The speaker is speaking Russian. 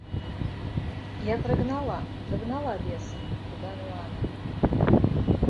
Я прогнала, прогнала беса, — прибавила она.